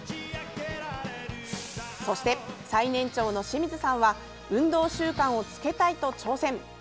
そして、最年長の清水さんは運動習慣をつけたいと挑戦。